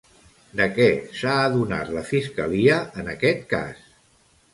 De què s'ha adonat la fiscalia en aquest cas?